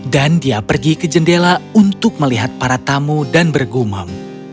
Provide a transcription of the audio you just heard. dan dia pergi ke jendela untuk melihat para tamu dan bergumam